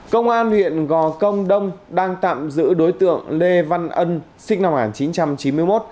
công an huyện gò công đông đang tạm giữ đối tượng lê văn ân sinh năm một nghìn chín trăm chín mươi một